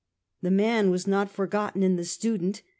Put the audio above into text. The man was not forgotten in the student.